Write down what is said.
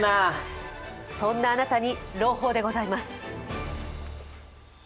そんなあなたに朗報でございます。